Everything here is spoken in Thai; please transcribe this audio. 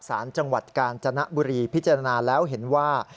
สารจังหวัดกาญจนบุรีพิจารณาแล้วเห็นว่า